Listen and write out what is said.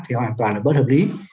thì hoàn toàn là bất hợp lý